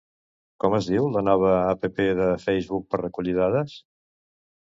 Com es diu la nova app de Facebook per recollir dades?